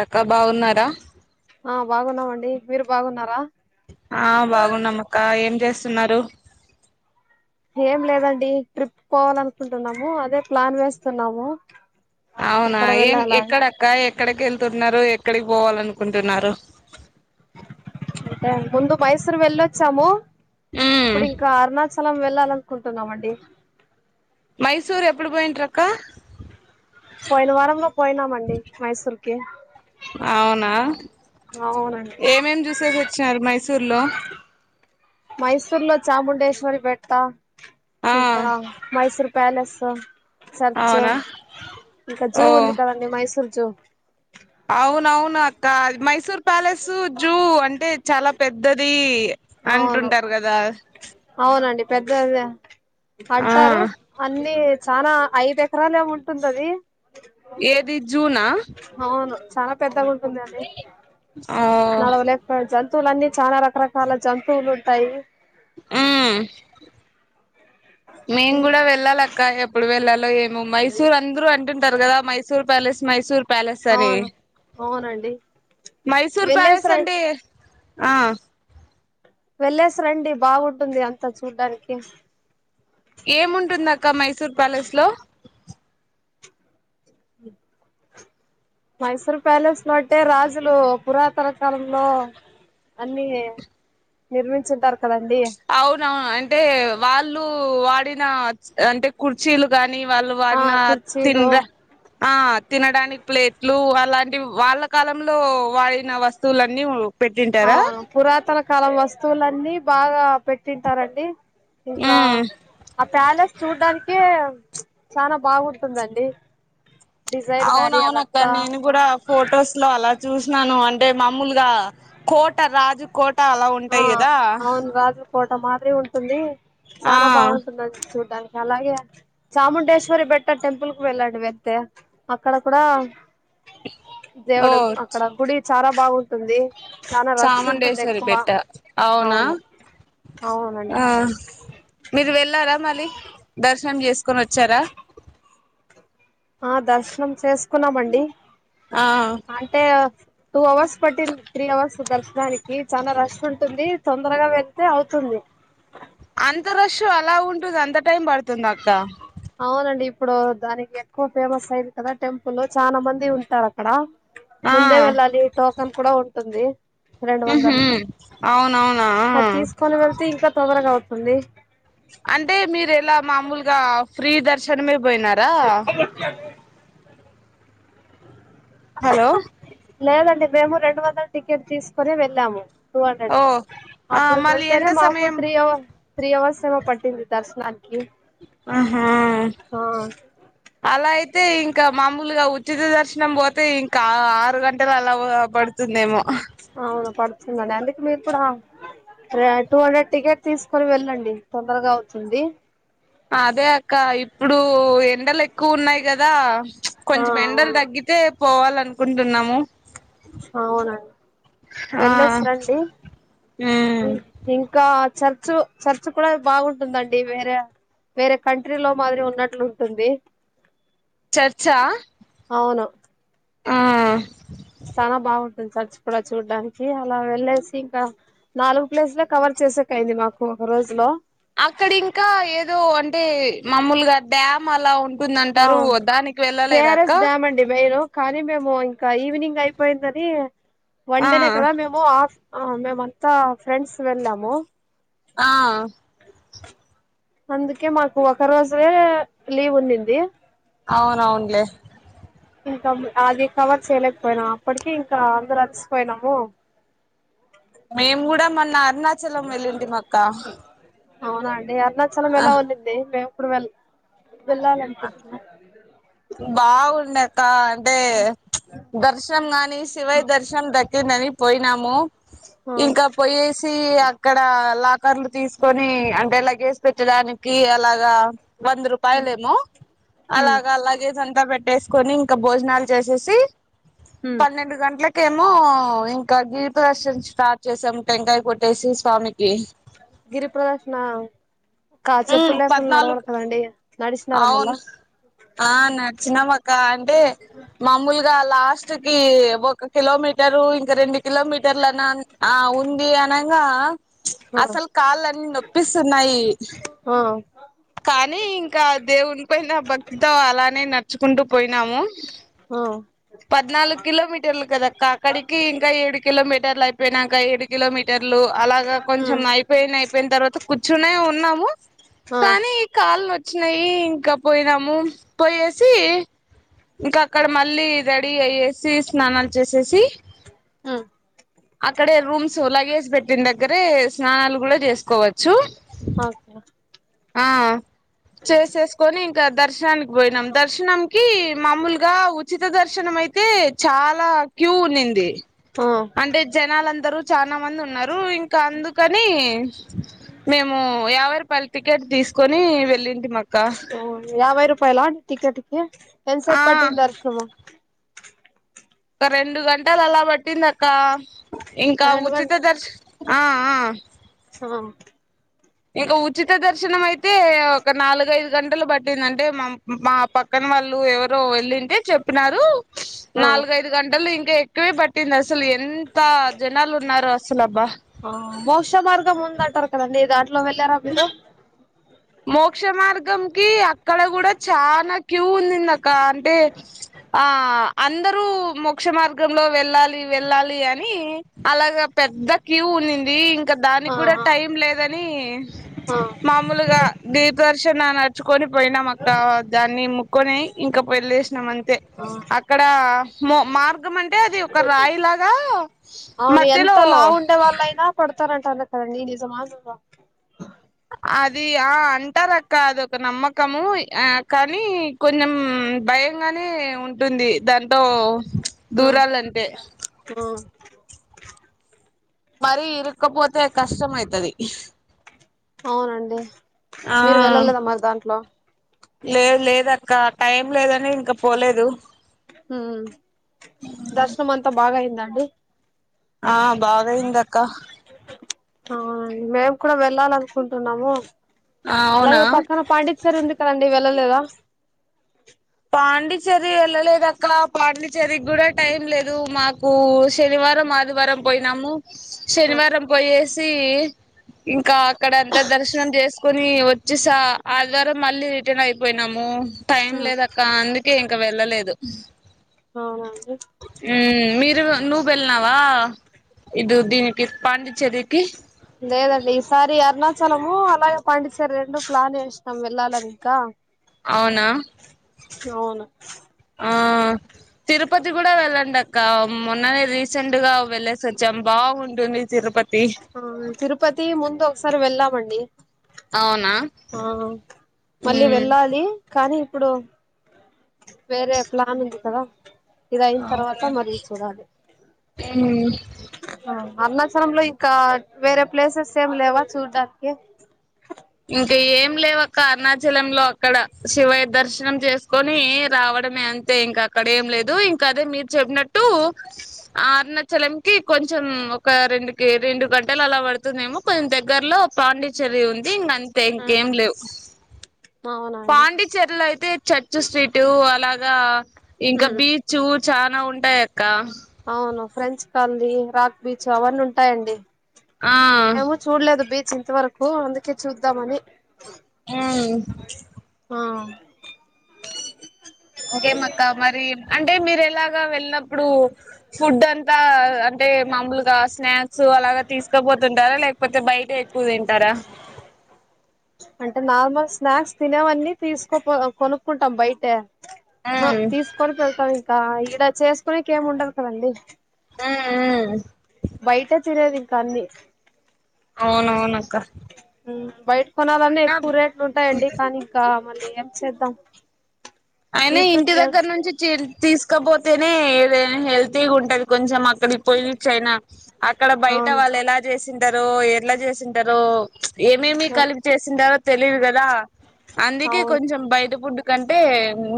ఎక్కాబాగున్నారా అండి మీరు బాగున్నారా ఎమ్ చెస్తున్నారు ఏం లేదండి ట్రిప్ పోవాల అనుకుంటున్నాము అదే ప్లాన్ చెస్తున్నాము అవునా ఏం ఎక్కడక్క ఎక్కడికి వెళ్తున్నారు ఎ ఇక్కడికి పోవాల అనుకుంటున్నారు అంటే ముందు మైసూరు వెళ్ళొచ్చాము మ్మ్ ఇప్పుడు ఇంకా అరుణాచలం వెళ వెళ్ళాలనుకుంటున్నామండి మైసూర్ ఎప్పుడు పోయింట్రి అక్క పోయినవారం ఏ పోయినామండి మైసూర్ ఓకే అవునా అవునండి ఏమేం చూసేసి వచ్చినారు మైసూర్ సూర్లో మైసూర్ లో చాముండేశ్వరి పెడతా ఆ ఇంకా మైసూర్ ప్యాలస్ ఉహ్ చర్చూ అవునా ఇంకా జూ ఉంది కదండి మైసూర్ జూ అవును అవును అక్క మైసూర్ ప్యాలెస్ జూ అంటే చాలా పెద్దది అంటుంటారు కదా పెద్ద అదా ఆ అంటారు అన్ని చానా ఐదు ఎకరలు ఏమో ఉంటుందది ఏది జూనా పెద్ద ఆ నరవు లేక్ పజ స్తులీ చానా రకరకాల చాలా జంతువులు ఉంటాయి ఆ మేము కూడా వెళ్ళాలక్క ఎప్పుడు వెళ్ళాలో ఏమో మైసూర్ అందరుూ అంటుంటారు కదా మైసూర్ ప్యాలెస్ మైసూర్ ప్యాలెస్ అని అవును అవునండి మైసూర్ వెళ్ళేసి ప్యాలెస్ రం అంటే ఆ వెల్లేస్ రండి బాగుంటుంది అంతా చూడ్డానికి ఏముంటుంది అక్క మైసూర్ ప్యాలెస్ లో ఇ మైసూర్ ప్యాలెస్ లో అంటే రాజులు పురాతన కాలంలో అన్ని నిర్మించతారు అవునవును అంటే వాళ్ళు వాడిన అంటే కుర్చీలు గానీ వాళ్ళు ఆ కుర్చీలు వాడినాతిన్రా ఆ తినడానికి ప్లేట్లు అలాంటివి వాళ్ళ కాలంలో వాడిన వస్తువులన్నీ పెట్టింటారా అవును పురాతన కాల వస్తువులన్నీ బాగా పెట్టింటారండి ఇకా ఉమ్ ఆ ప్యాలెస్ చూడ్డానికే చాలా బాగుంటుందండి డిజైన్ గాని అవునవున అక్క అదంతా నేను కూడా ఫొటోస్ లో అలా చూసినాను అంటే మామూలుగా కోట రాజుకోట్ ట్టా అలా ఉంటాయి కదా ఫోటో మాదిరి ఉంటుంది ఆ చనాా బాగుంటుంది చూడ్డానికి అలాగే చాముండేశ్వరి బెట్ట టెంపుల్ కు వెళ్ళాండి వెళ్తే అక్కడ కూడా ఓ దేవుడు అక్కడ గుడి చాలా బాగుంటుంది చాలా రష్ ఉంటుంది ఎక్కువ చాముండేశ్వరిపేట్ట అవునా అవును అవునండి ఆ మీరు వెళ్ళారా మళీ దర్శనం చేసుకొని వచ్చారా ఆ దర్శనం చేసుకున్నామండి ఆ అంటే టూ అవర్స్ పట్టింది త్రీ అవర్స్ దర్శనానికి చాలా రష్ ఉంటుంది తొందరగా వెళ్తే అవుతుంది అంతరష్ అలా ఉంటుంది అంత టైం పడుతుందా అక్క అవునండి ఇప్పుడు దానికి ఎక్కువ ఫేమస్ అయింది కదా టెంపుల్ చాలా మంది ఉంటారు అక్కడ ఆ ముందే వెళ్ళాలి టోకన్ కూడా ఉ టుంది ఉ హు అవునవునా తోందారగా అవుతుంది అంటే మీరు ఎలా మామూలుగా ఫ్రీ దర్శనమే పోయినారా [inaudible] హలో లేదండి మేము రెండు వందలు టికెట్ తీసుకొని వెళ్ళాము టూ ఓ హండ్రెడ్ ఆ అప్పుడు మళ్ళీ వెళ్తేనే ఎంత మాకు సమయం త్రీ అవర్ త్రీ అవర్స్ మొ పట్టింది దర్శనానికి ఆహా ఆ అలాయితే అయితే ఇంకా మామూలుగా ఉచిత దర్శనం పోతే ఇంకా ఆరు గంటల అలా పడుతుందేమో న్నదండి అందుకే మీరు కూడా టూ హండ్రెడ్ టికెట్ తీసుకొని వెళ్ళండి తొందరగా అవుతుంది అదే అక్క ఇప్పుడు ఎండలు ఎక్కువ ఉన్నాయి కదా ఆ కొంచెం ఎండలు అవును తగ్గితే పోవాలనుకుంటున్నాము అవునండి ఆ వెళ్లేసిరండి ఉమ్ ఇ ఇంకా చర్చ్ చర్చ్ కూడా బాగుంటుందండి వేరే వేరే కంట్రీలో మాదిరి ఉన్నట్లు ఉంటుంది చర్చా ఆవును ఆ చానా బాగుంటు చర్చి కూడా చూడ్డానికి అలా వెళ్ళేసి ఇంకా నాలుగు ప్లేసులే కవర్ చేసేకయింది మాకు ఒక రోజు లో అక్కడ ఇంకా ఏదో అంటే మామూలు గా డ్యామ్ అలా ఉం ఆ వందంటారు దానికి వెళ్ళలేద అక్క కేఆర్ఎస్ డ్యామ్ అండి మెయిన్ కానీ మేము ఇంకా ఈవినింగ్ అయిపోయిందని వన్ ఆ డేనే కద మేము ఆఫ్ ఆ మేమంతా ఫ్రెండ్స్ వెల్లాము ఆ అందుకే మాకు ఒక రోజె లీవ్ ఉన్నింది అవునవున్లే ఇంకా అది కవర్ చేయలేకపోయినాం అప్పటికె ఇంకా అందరు అలిసిపోయినాము మేము కూడా మొన్న అరుణాచలం వెల్లింటిమి మక్క అవునండి అరుణాచలమెలా ఉన్నింది ఇప్పుడు వెళ్ళ [unintelligible] బాగుండె అంటే దర్శనం గాని శివయ దర్శనం ద పోయినాము ఇంకా పోయేసి అక్కడ లా కరలు తీసుకొని అంటే లగేజ్ పెట్టడానికి అలాగా వంద రూపాయలు ఏమో హ్మ్ అలాగా లగేజ్ అంతా పెట్టేసుకొని ఇంకా భోజనాలు చేసేసి హ్మ్ పన్నెండు గంటలకి ఇంకేమో ఇంకా దీప దర్శనం స్టార్ట్ చేసాము టెంకాయ కొట్టేసి స్వామికి గిరిప్రదక్షి న కా చెప్పులు లేకుండా పద్నాలుగు నడవాలికదండి నడిచినార మల్లా చిిన [unintelligible] అంటే మాముూలుగా లాస్ట్ కి ఒక కిలోమీటరు ఇంక రెండు కిలోమీటర్ల అనా ఆ ఉంది అనంగా అసలు కాళ్ళన్నీ నొప్పిస్తున్నాయి ఆ కానీ ఇంకా దేవుని పోయిన భక్తితో అలానే నడుచుకుంటూ పోయినాము ఆ పద్నాలుగు కిలోమీటర్లు కదక్క అక్కడి కి ఇంకా ఏడు కిలోమీటర్ లు అయిపోయినాక ఏడు కిలోమీటర్ లు అలాగా కొంచెం ఉమ్ అయిపోయిన అయిపోయిన తర్వాత కూర్చునే ఉన్నాము ఆ కానీ ఈ కాల్ వ వచ్చినాయి ఇంకా పోయినాము పోయేసి ఇంకా అక్కడ మళ్ళీ రెడీ అయ్యేసి స్నానాలు చేసేసి ఉమ్ అక్కడే రూమ్స్ లగేజ్ పెట్టిన దగ్గరే స్నానాలు కూడా చేసుకోవచ్చు హ అక్క ఆ చేసేసుకొని ఇంకా ద దర్శన పోయినాం దర్శనంకి మామూలు ఇగా ఉచిత దర్శనం అయితే చాలా క్యూ ఉన్నింది ఆ అంటే జనాలందరూ చాలా మంది ఉన్నారు ఇంకా అందుకని మేము వాళ్లు టికెట్ తీసుకొని వెల్లి ఓ యాభై రూప్ రూపాయల టికెట్ కి ఆ ఎన్సేప్పటింది దర్శనము ఒక రెండు గంటలు అలా పట్టిందక్క ఇంకా రెండు ఉచిత దర్శ ఆ ఆ హ ఇక ఉచిత దర్శనం మై యితే ఒక నాలుగఐదు గంటలు పట్టిందంటే మా మా పక్కన వాళ్ళు ఎవరు వెళ్ళింటే చెప్పినారు. ఆ నాలుగైదు గంటలు ఇం ఇంకా ఎక్కువే పట్టింది అసలు ఎంత జనాలు ఉన్నారు అసలు అబ్బా, ఆ మోక్ష మార్గం ఉందంటారు కదండి దాంట్లో వెళ్ళారా మీరు మోక్ష మార్గంకి అక్కడ కూడా చానా క్యూ ఉందింది అక్క అంటే ఆ అందరూ మోక్ష మార్గంలో వెళ్ళాలి వెళ్ళాలి అని అలాగా పెద్ద క్యూ ఉండింది ఇం ఇంకా ఆ దానికి కూడా టైం లేదని గా ఆ ని మామూలుగా దీప దర్శన నడుచుకొని పోయినాం అక్క దాన్ని మెక్కొని ఇంకా వెళ్ళేసినాం అంతే ఆ అక్కడ మో మార్గం అంటే అది ఒక రాయి లాగా అవును ఎంత లావు ఉండే వాళ్ళ అయినా పడత తారంట కాదా అండి ఇది నిజమా నిజామా అది ఆ అంటారు అక్క అదొక నమ్మకము ఆ కానీ కొంచెం భయంగానే ఉంటుంది దాంతో ఆ దూరాలంటే ఆ మరీ ఇరుక్కపోతే కష్టం అయితది అవునండి ఆ మీరు వెళ్ళలేదమరి దాంట్లో లేదు లేదు అక్క టైం లేదని ఇంకా పోలేదు హు దర్శనం అంతా బాగా అయిందా అండి ఆ బాగా అయిందక్క ఆ మేము కూడా వెళ్ళాలనుకుంటున్నాము ఆ అవునా అలాగే పక్కన పాండిచ్చేరి ఉంది క ఉంటదండి వెళ్ళలేద పాండిచ్చేరి వెళ్ళలేదు అక్క పాండిచ్చేరికి కూడా టైం లేదు మాకు శనివారం ఆదివారం పోయినాము ఆ శనివారం పోయేసి సి ఇంకా అక్కడ అంతా దర్శనం చేసుకొని వచ్చి వచ్చేస ఆ ఆదివారం మళ్ళీ రిటర్న్ అయిపోయినం హ్మ్ టైం లేదక్క అందుకే ఇంక వెళ్ళలేదు ఆహా ఊ మీరు ఇరు నువు వెల్నావా ఇదు దీనికి పాండిచ్చేరికి లేదండి ఈసారి అరుణాచలము అలాగే పాండిచ్చేరి రెండు ప్లాన్ చేసినాం వెళ్ళాలనింకా అవునా అవును ఆ తిరుపతి కూడా వెళ్ళండి అక్క మొన్ననే రీసెంట్ గా వెళ్లేేసి వచ్చాం బాగుంటుంది తిరుపతి ఆ తిరుపతి ముందు సరే వెళ్ళామండి అవునా ఆ మళ్ళీ ఉమ్ వెళ్ళాలి కానీ ఇప్పుడు వేరే ప్లాన్ ఉంది కదా ఇదయిన తర్వాత అవును మళ్ళీ చూడాలి ఉమ్ ఆ అరుణాచలంలో ఇంకా వేరే ప్లేసెస్ ఏం లేవా చూడ్డానికి ఇంక ఏం లేవు అక్క అరుణాచలంలో అక్కడ శివయ్య దర్శనం చేసుకొని రావడమే అంతే ఇంకా అక్కడ ఏం లేదు ఇంకా అదే మీరు చెప్పినట్టు అరుణాచలంకి కొంచెం ఒక రెండుకి రెండు గంటలు అలా పడుతుందేమో కొంచెం దగ్గరలో పాండిచ్చేరి ఉంది ఇంగ అంతే ఆ ఇంకేం లేవు అవునండి పాండిచ్చేరిలో అయితే చర్చు స్ట్రీటు అలాగా ఇంకా ఉమ్ బీచ్చు చా నా ఉంటాయ్ అక్క అవును ఫ్రెంచ్ కాల్దీ రాక్ బీచ్ అవన్నీ ఉంటాయండి ఆ మేము చూడ్లేదు బీ చింతవరకు అందుకే చూద్దామని ఆ ఆ ఇంకేం అక్క మరి అం టే మీరెలా వెళ్ళినప్పుడు ఫుడ్ అంతా అంటే మామలుగా స్ స్నాక్ సో అలాగ తీసుకపోతుంటారా లేకపోతే బయట బువ్ తింటారా అంటే నార్మల్ స్నాక్స్ తినేవన్నీ తీసుకు పో కొనుక్కుంటాం బయట హ ఉమ్ తీసుకొని వెళ్తామి గ ఈడ చేసుకునేకి ఏం ఉండదు కదండీ మ్మ్ మ్మ్ బయట తినేది ఇంకా అన్నీ అవునవునక్క మ్మ్ బైట్ కొనాలన్నా అయినా ఎక్కువ రేట్లు ఉంటాయండి కానీ ఇంకా మళ్లీ ఏం చేద్దాం అయినా వీటి ఇంటి నుంచి దగ్గర నుంచి చి తీసకపోత్ తెనే ఎదే హెల్తిగుంటది కొంచెం అక్కడికి పోయిచ్చైనా అక్కడ బయట అవును వాళ్ళు ఎలా చేస్ తింటారో ఎట్లా చేసింటారో మ్చ్ ఏమేమి కలిపి చేసిండారో తెలిదు గదా అందుకే అవును కొంచెం బయట ఫుడ్ కంటే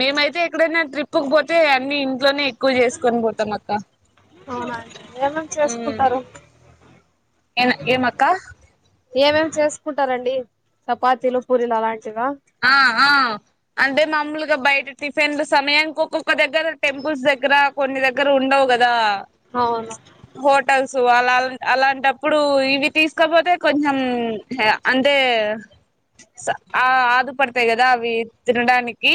మేమైతే ఎక్కడైనా ట్రిప్పుకి పోతే అన్ని ఇంట్లోనే ఎక్కువ చేసుకొని పోతాం అక్కా అవునండి. ఏమేమి చేసుకుంటారు ఏమేమి చేసుకుంటారండి చపాతీలు పూరిలు అలాం ఆ ఆ అంటే మామ్మూలుగా బయట టిఫెన్ లు సమయానికి ఒక ఒక దగ్గర టెంపుల్స్ దగ్గర కొన్ని దగ్గర దగ్గర ఉండవు కదా అవును హోటల్స్ సో అలా అలాంటప్పుడు ఇవి తీసుకోపోతే కొంచెం అంటే అదు పడతాయి కదా అవి తినడానికి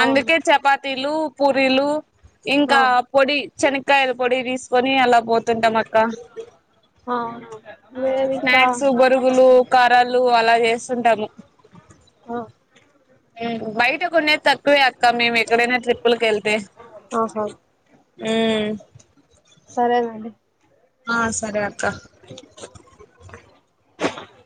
అవును అందుకే చపాతీలు పూరిలు ఆ ఇంకా పొడి చెన కాయల పొడి తీసుకుని అలా పోతుంటాం అక్క అవును మేమింకా స్నాక్స్ బొరుగులు కారాలు అలా చేస్తుంటాము అ బయట కొనేది తక్కువే అక్క మేము ఎక్కడైనా ట్రిప్పులకి వెళ్తే ఆ సార్ అ సరేనండి ఆ సరే అక్క [unintelligible]